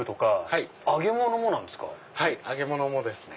はい揚げ物もですね。